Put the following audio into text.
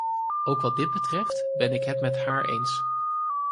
Ook wat dit betreft ben ik het met haar eens.